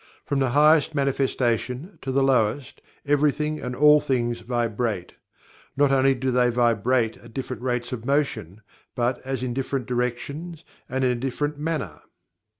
From the highest manifestation, to the lowest, everything and all things Vibrate. Not only do they vibrate at different rates of motion, but as in different directions and in a different manner.